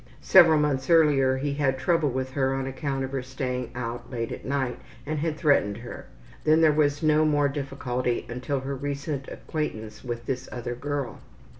Several months earlier he had trouble with her on account of her staying out late at night, and had threatened her. Then there was no more difficulty until her recent acquaintance with this other girl.